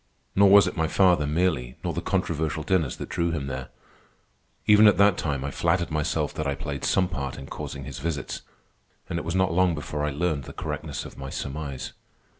Nor was it my father, merely, nor the controversial dinners, that drew him there. Even at that time I flattered myself that I played some part in causing his visits, and it was not long before I learned the correctness of my surmise.